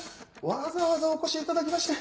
わざわざお越しいただきまして。